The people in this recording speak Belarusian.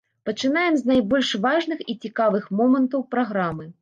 Пачынаем з найбольш важных і цікавых момантаў праграмы.